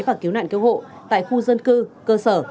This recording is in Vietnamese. và cứu nạn cứu hộ tại khu dân cư cơ sở